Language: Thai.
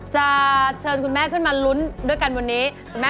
จะเชิญคุณแม่ขึ้นมาลุ้นด้วยกันวันนี้